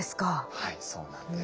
はいそうなんです。